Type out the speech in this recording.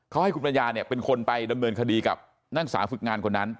เขาให้คุณปัญญาเนี่ยเป็นคนไปดำเนินคดีกับนางสาวฝึกงานคนนั้น